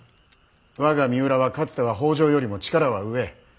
我が三浦はかつては北条よりも力は上。